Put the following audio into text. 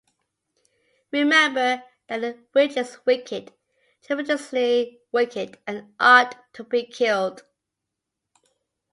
Remember that the Witch is Wicked — tremendously Wicked — and ought to be killed.